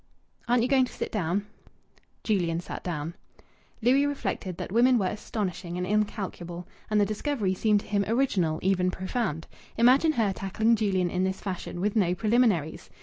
"Aren't you going to sit down?" Julian sat down. Louis reflected that women were astonishing and incalculable, and the discovery seemed to him original, even profound. Imagine her tackling Julian in this fashion, with no preliminaries!